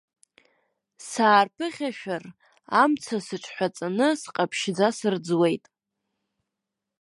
Саарԥыхьашәар, амца сыҽҳәаҵаны сҟаԥшьӡа сырӡуеит.